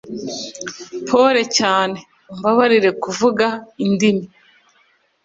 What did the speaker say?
Pole cyane(Umbabarire kuvanga indimi)